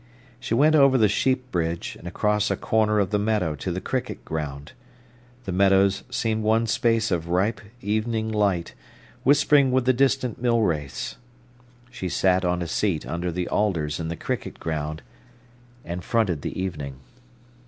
She went over the sheep bridge and across a corner of the meadow to the cricket ground. The meadows seemed one space of ripe, evening light, whispering with the distant mill race. She sat on a seat under the alders in the cricket ground, and fronted the evening.